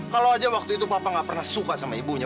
kalau aja waktu itu papa nggak pernah suka sama ibunya